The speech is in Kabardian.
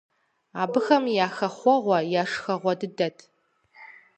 Абыхэм я хэхъуэгъуэ, я шхэгъуэ дыдэт.